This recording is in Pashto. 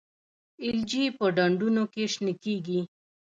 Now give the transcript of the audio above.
الجی په ډنډونو کې شنه کیږي